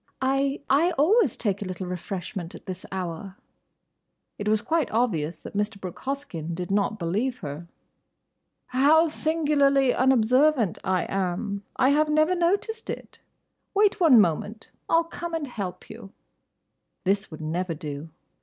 "I—I always take a little refreshment at this hour." It was quite obvious that Mr. Brooke Hoskyn did not believe her. "How singularly unobservant I am! I have never noticed it. Wait one moment. I 'll come and help you." This would never do.